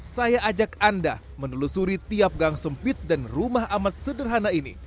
saya ajak anda menelusuri tiap gang sempit dan rumah amat sederhana ini